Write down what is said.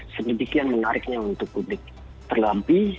sedikit yang menariknya untuk publik terlampi